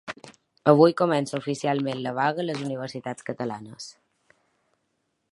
Avui comença oficialment la vaga a les universitats catalanes.